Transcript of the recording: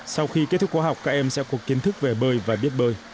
sau khi kết thúc khóa học các em sẽ có kiến thức về bơi